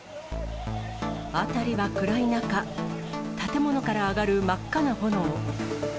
辺りは暗い中、建物から上がる真っ赤な炎。